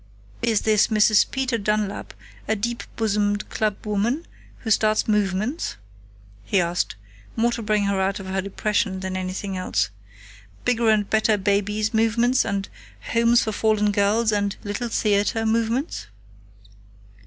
"Is this Mrs. Peter Dunlap a deep bosomed club woman, who starts Movements?" he asked, more to bring her out of her depression than anything else. "Bigger and Better Babies Movements, and Homes for Fallen Girls, and Little Theater Movements?"